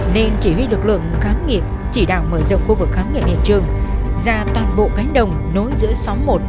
nên chỉ huy lực lượng khám nghiệm chỉ đạo mở rộng khu vực khám nghiệm hiện trường ra toàn bộ cánh đồng nối giữa xóm một